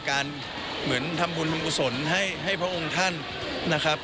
การเหมือนทำบุญพร้อมอุศลให้พระองค์ท่านนะครับ